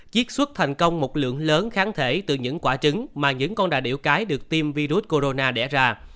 chiết xuất thành công một lượng lớn kháng thể từ những quả trứng mà những con đà điểu cái được tiêm virus corona đẻ ra